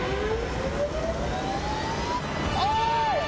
おい！